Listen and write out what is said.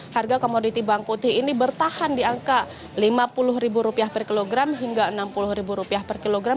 harga komoditi buang putih ini bertahan di angka lima puluh rupiah per kilogram hingga enam puluh rupiah per kilogram